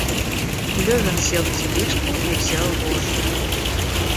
Левин сел в тележку и взял вожжи.